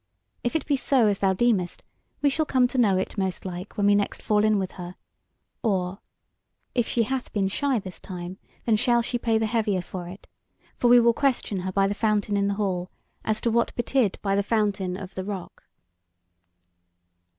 If it be so as thou deemest, we shall come to know it most like when we next fall in with her; or if she hath been shy this time, then shall she pay the heavier for it; for we will question her by the Fountain in the Hall as to what betid by the Fountain of the Rock."